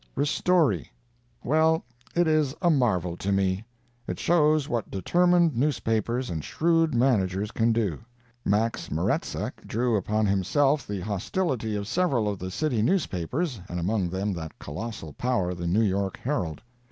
RISTORI Well, it is a marvel to me. It shows what determined newspapers and shrewd managers can do. Max Maretzek drew upon himself the hostility of several of the city newspapers, and among them that colossal power, the New York Herald.